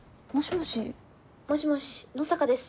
もしもし野坂です。